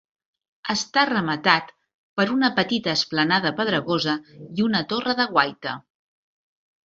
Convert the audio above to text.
Està rematat per una petita esplanada pedregosa i una torre de guaita.